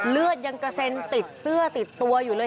เลือดยังกระเซ็นติดเสื้อติดตัวอยู่เลย